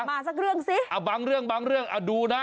มาสักเรื่องซิบางเรื่องดูนะ